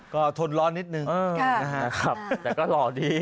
ก็ทนร้อนนิดหนึ่งแต่ก็หล่อดี